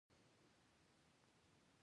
غیرتمند د مقابل لوري عزت هم ساتي